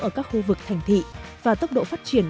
ở các khu vực thành thị và tốc độ phát triển